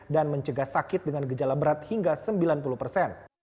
dan mencegah sakit dengan gejala berat hingga sembilan puluh persen